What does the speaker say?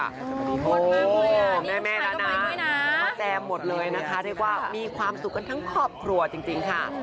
โอ้โหแม่นานะมาแจมหมดเลยนะคะเรียกว่ามีความสุขกันทั้งครอบครัวจริงค่ะ